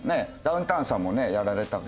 ダウンタウンさんもねやられた。